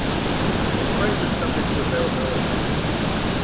This price is subject to availability.